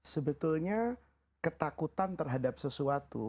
sebetulnya ketakutan terhadap sesuatu